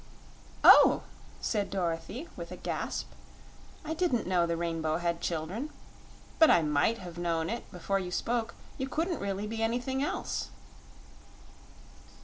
"Oh!" said Dorothy with a gasp; "I didn't know the Rainbow had children. But I MIGHT have known it, before you spoke. You couldn't really be anything else."